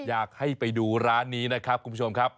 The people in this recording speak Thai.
อยากให้ไปดูร้านนี้นะครับคุณผู้ชมครับ